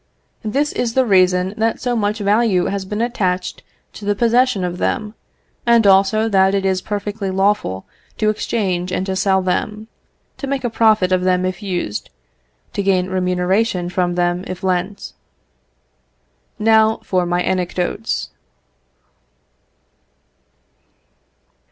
This is the reason that so much value has been attached to the possession of them, and also that it is perfectly lawful to exchange and to sell them, to make a profit of them if used, to gain remuneration from them if lent. Now for my anecdotes.